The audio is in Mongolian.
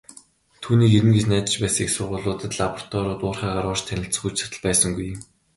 Түүнийг ирнэ гэж найдаж байсан их сургуулиуд, лабораториуд, уурхайгаар орж танилцах хүч чадал байсангүй.